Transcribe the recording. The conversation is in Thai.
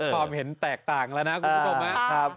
ความเห็นแตกต่างแล้วนะคุณผู้ชมนะ